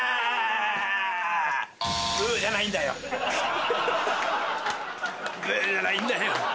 ブじゃないんだよ。